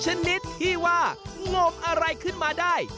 ชนิดที่ว่างมอะไรขึ้นมาได้